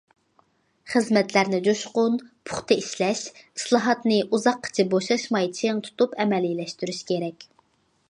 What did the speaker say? خىزمەتلەرنى جۇشقۇن، پۇختا ئىشلەش، ئىسلاھاتنى ئۇزاققىچە بوشاشماي چىڭ تۇتۇپ ئەمەلىيلەشتۈرۈش كېرەك.